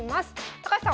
高橋さん